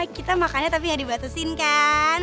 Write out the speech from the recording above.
kita makannya tapi nggak dibatusin kan